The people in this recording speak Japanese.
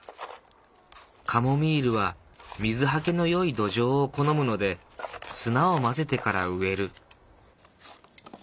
カモミールは水はけの良い土壌を好むので砂を混ぜてから植える。